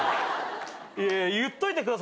言っといてください。